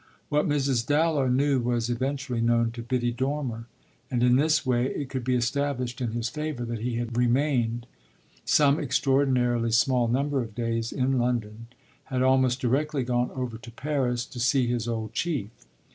What Mrs. Dallow knew was eventually known to Biddy Dormer; and in this way it could be established in his favour that he had remained some extraordinarily small number of days in London, had almost directly gone over to Paris to see his old chief.